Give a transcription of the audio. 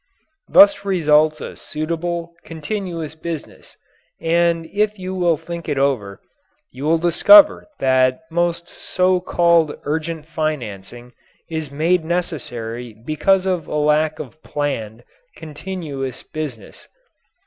Thus results a suitable, continuous business, and if you will think it over, you will discover that most so called urgent financing is made necessary because of a lack of planned, continuous business.